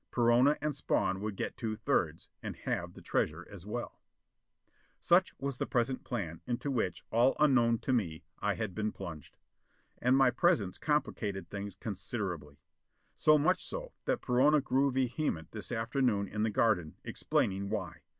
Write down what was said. Perona and Spawn would get two thirds and have the treasure as well. Such was the present plan, into which, all unknown to me, I had been plunged. And my presence complicated things considerably. So much so that Perona grew vehement, this afternoon in the garden, explaining why.